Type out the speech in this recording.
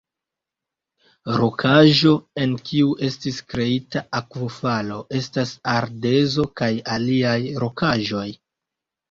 Rokaĵo en kiu estis kreita akvofalo estas ardezo kaj aliaj rokaĵoj.